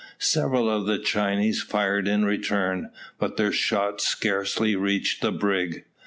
Several of the Chinese fired in return, but their shot scarcely reached the brig.